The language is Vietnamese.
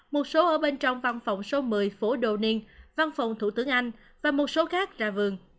một số ở bên trong văn phòng số một mươi phố do nik văn phòng thủ tướng anh và một số khác ra vườn